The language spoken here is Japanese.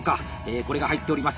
これが入っております。